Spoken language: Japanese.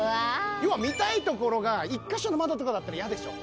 要は見たい所が１か所の窓とかだったら嫌でしょ。